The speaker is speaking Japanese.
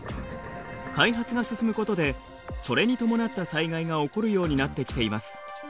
開発が進むことでそれに伴った災害が起こるようになってきています。